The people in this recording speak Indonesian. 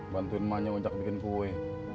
bantuin ma nya uncak bikin kue